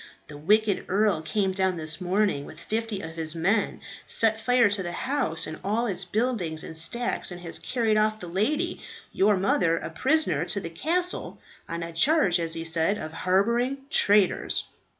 "The wicked earl came down this morning, with fifty of his men, set fire to the house, and all its buildings and stacks, and has carried off the lady, your mother, a prisoner to the castle, on a charge, as he said, of harbouring traitors."